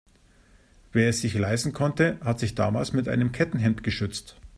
Wer es sich leisten konnte, hat sich damals mit einem Kettenhemd geschützt.